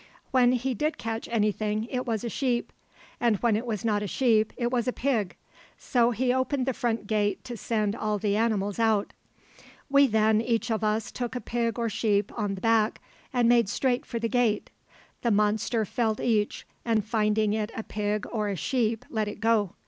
When he did catch anything it was a sheep; and when it was not a sheep it was a pig. So he opened the front gate to send all the animals out. "We then each of us took a pig or sheep on the back and made straight for the gate. The monster felt each, and finding it a pig or a sheep let it go.